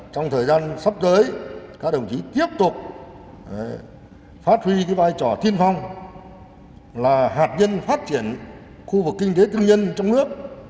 trong thời gian sắp tới các đồng chí tiếp tục phát huy vai trò tiên phong là hạt nhân phát triển khu vực kinh tế tư nhân trong nước